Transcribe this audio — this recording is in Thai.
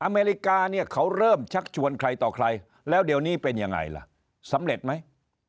อเมริกาเนี่ยเขาเริ่มชักชวนใครต่อใครแล้วเดี๋ยวนี้เป็นยังไงล่ะสำเร็จไหม